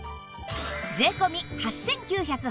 税込８９８０円